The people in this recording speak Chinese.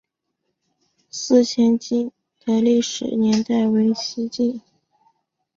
思前井的历史年代为西晋。